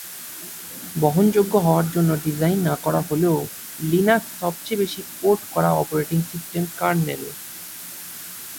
বহনযোগ্য হওয়ার জন্যে ডিজাইন না করা হলেও লিনাক্স সবচেয়ে বেশি পোর্ট করা অপারেটিং সিস্টেম কার্নেল।